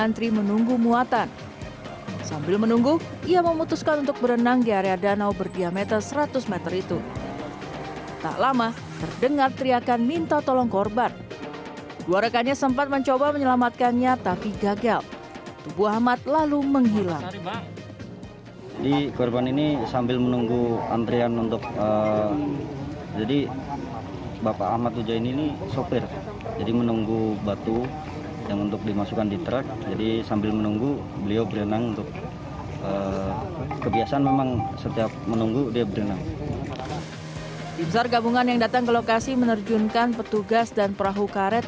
tim sar gabungan yang datang ke lokasi menerjunkan petugas dan perahu karet